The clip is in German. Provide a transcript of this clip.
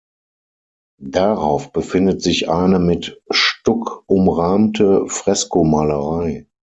Darauf befindet sich eine mit Stuck umrahmte Freskomalerei.